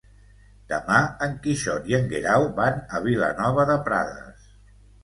Demà en Quixot i en Guerau van a Vilanova de Prades.